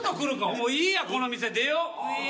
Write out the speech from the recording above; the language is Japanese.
もういいやこの店出ようウィン。